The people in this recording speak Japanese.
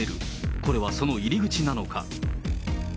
これはその入り口なのか。